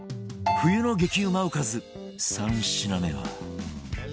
冬の激うまおかず３品目は